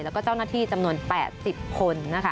แล้วก็เจ้าหน้าที่จำนวน๘๐คนนะคะ